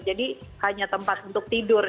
jadi hanya tempat untuk tidur